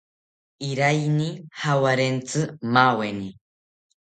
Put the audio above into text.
Iraiyini jawarentzi maaweni